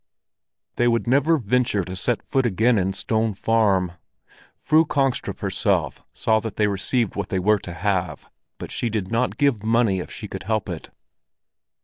They would never venture to set foot again in Stone Farm. Fru Kongstrup herself saw that they received what they were to have, but she did not give money if she could help it.